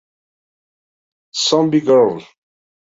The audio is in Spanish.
Zombie Girl